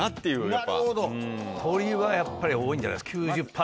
鳥はやっぱり多いんじゃない？